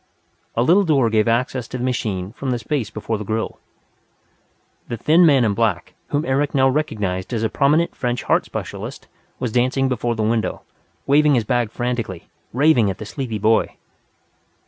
A little door gave access to the machine from the space before the grill. The thin man in black, whom Eric now recognized as a prominent French heart specialist, was dancing before the window, waving his bag frantically, raving at the sleepy boy.